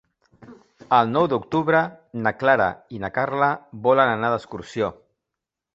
El nou d'octubre na Clara i na Carla volen anar d'excursió.